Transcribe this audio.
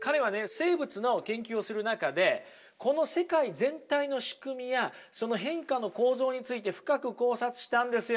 生物の研究をする中でこの世界全体の仕組みやその変化の構造について深く考察したんですよ。